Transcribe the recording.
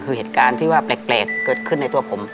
ที่เหดือการแปลกเกิดขึ้นในตัวผม